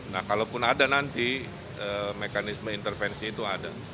nah kalaupun ada nanti mekanisme intervensi itu ada